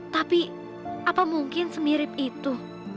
tapi apa mungkin semirip itu